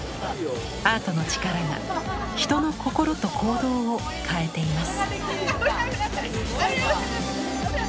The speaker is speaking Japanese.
アートの力が人の心と行動を変えています。